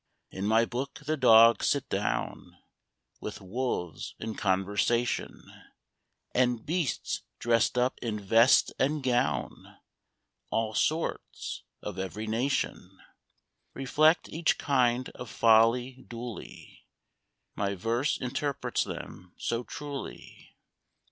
In my book the dogs sit down With wolves in conversation; And beasts dressed up in vest and gown, All sorts, of every nation, Reflect each kind of folly duly, My verse interprets them so truly.